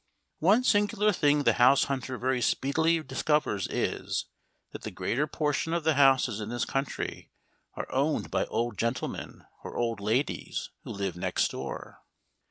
One singular thing the house hunter very speedily discovers is, that the greater portion of the houses in this country are owned by old gentlemen or old ladies who live next door.